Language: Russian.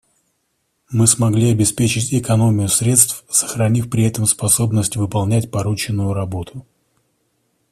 Мы смогли обеспечить экономию средств, сохранив при этом способность выполнять порученную работу.